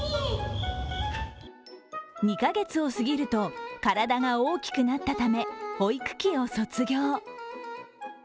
２カ月を過ぎると体が大きくなったため保育器を卒業。